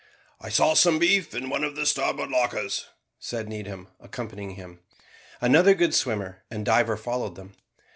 "I saw some beef in one of the starboard lockers," said Needham, accompanying him. Another good swimmer and diver followed them.